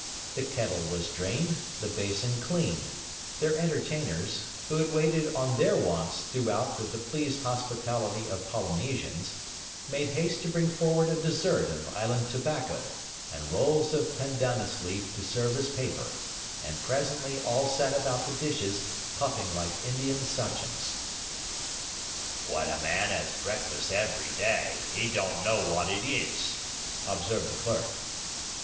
The kettle was drained, the basin cleaned; their entertainers, who had waited on their wants throughout with the pleased hospitality of Polynesians, made haste to bring forward a dessert of island tobacco and rolls of pandanus leaf to serve as paper; and presently all sat about the dishes puffing like Indian Sachems. 'When a man 'as breakfast every day, he don't know what it is,' observed the clerk.